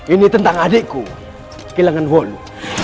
ini tentang adikku kilangan wolu